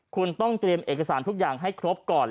คุณต้องเตรียมเอกสารทุกอย่างให้ครบก่อน